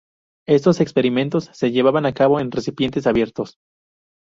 Estos experimentos, se llevaban a cabo en recipientes abiertos.